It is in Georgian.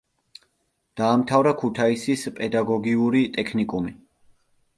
დაამთავრა ქუთაისის პედაგოგიური ტექნიკუმი.